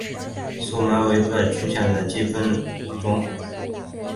祖暅原理背后的概念经常出现在微积分中。